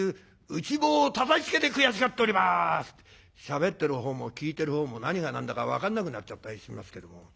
打ち棒をたたきつけて悔しがっております」ってしゃべってる方も聞いてる方も何が何だか分かんなくなっちゃったりしますけども。